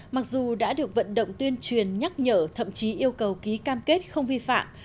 mặc dù đã được vận động tuyên truyền nhắc nhở thậm chí yêu cầu ký cam kết không vi phạm